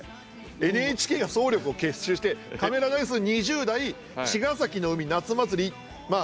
ＮＨＫが総力を結集してカメラ台数２０台茅ヶ崎の海夏祭りまあ